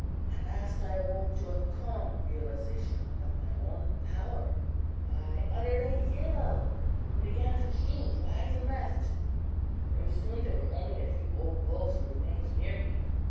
"At last I awoke to a calm realization of my own power. I uttered a yell and began to shoot right and left. Very soon there were only a few old bulls who remained near me.